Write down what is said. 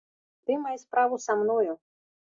Ты май справу са мною.